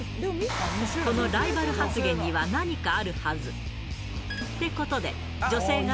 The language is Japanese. このライバル発言には何かあるはず。